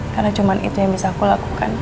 karena cuma itu yang bisa aku lakukan